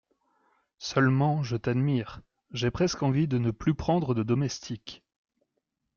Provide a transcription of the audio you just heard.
Seulement, je t’admire,… j’ai presque envie de ne plus prendre de domestique.